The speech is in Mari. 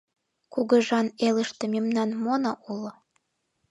Кугыжан элыште мемнан мона уло?